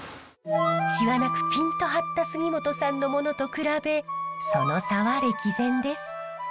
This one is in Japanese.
シワなくピンと張った杉本さんのものと比べその差は歴然です。